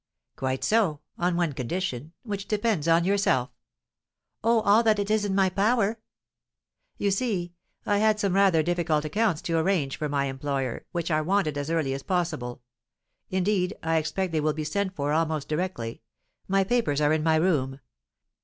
"Quite so, on one condition, which depends on yourself." "Oh, all that is in my power!" "You see, I had some rather difficult accounts to arrange for my employer, which are wanted as early as possible, indeed, I expect they will be sent for almost directly; my papers are in my room.